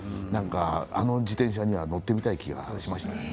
あの自転車には乗ってみたい気がしました。